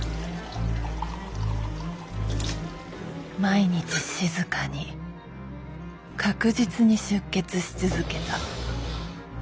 毎日静かに確実に出血し続けた。